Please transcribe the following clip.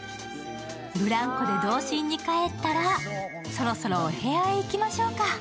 ブランコで童心にかえったら、そろそろお部屋に行きましょうか。